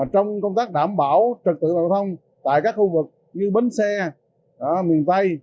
trong công tác đảm bảo trật tự giao thông tại các khu vực như bến xe miền tây